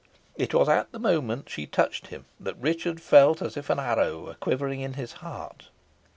It was at the moment she touched him that Richard felt as if an arrow were quivering in his heart.